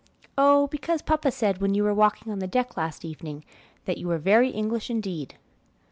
"Oh, because papa said, when you were walking on the deck last evening, that 'you were very English indeed.'"